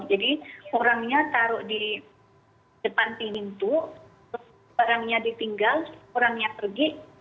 jadi orangnya taruh di depan pintu barangnya ditinggal orangnya pergi